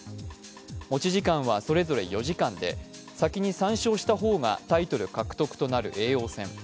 持ち時間はそれぞれ４時間で、先に３勝した方がタイトル獲得となる叡王戦。